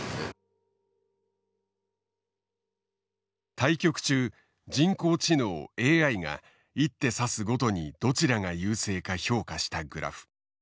対局中人工知能ＡＩが一手指すごとにどちらが優勢か評価したグラフ。